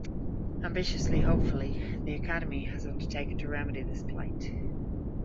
Ambitiously, hopefully, the Academy has undertaken to remedy this plight.